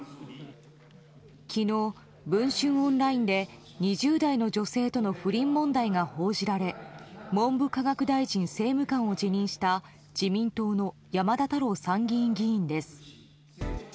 昨日、文春オンラインで２０代の女性との不倫問題が報じられ文部科学大臣政務官を辞任した自民党の山田太郎参議院議員です。